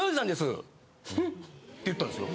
って言ったんですよ。